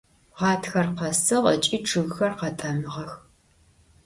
Ğatxer khesığ, ıç'i ççıgxer khet'emığex.